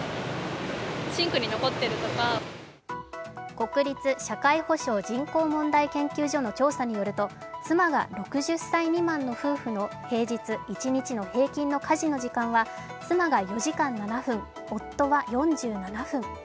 国立社会保障・人口問題研究所の調査によると、妻が６０歳未満の夫婦の平日一日の家事の時間は妻が４時間７分、夫は４７分。